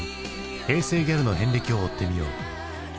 平成ギャルの遍歴を追ってみよう。